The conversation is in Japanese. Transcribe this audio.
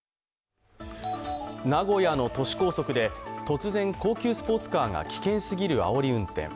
名古屋の都市高速で突然高級スポーツカーが危険すぎる、あおり運転。